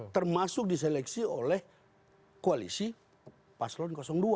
termasuk diseleksi oleh koalisi paslon dua